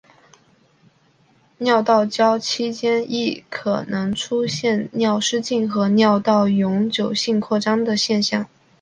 尿道交期间亦可能出现尿失禁和尿道永久性扩张的情况。